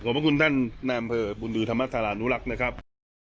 ขอบพระคุณท่านแน่มเผยบุญดือธรรมศาลานุรักษณ์นะครับ